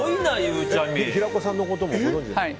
平子さんのこともはい。